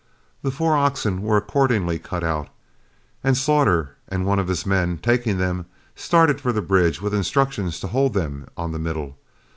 The four oxen were accordingly cut out, and Slaughter and one of his men, taking them, started for the bridge with instructions to hold them on the middle.